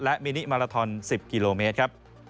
และมินิมาลาทอน๑๐กิโลเมตรครับ